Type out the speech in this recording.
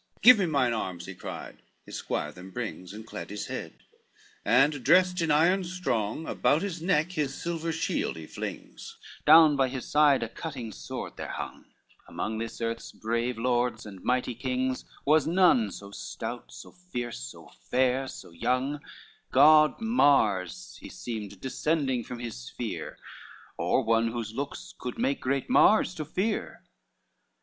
XLIV "Give me mine arms," he cried; his squire them brings, And clad his head, and dressed in iron strong, About his neck his silver shield he flings, Down by his side a cutting sword there hung; Among this earth's brave lords and mighty kings, Was none so stout, so fierce, so fair, so young, God Mars he seemed descending from his sphere, Or one whose looks could make great Mars to fear.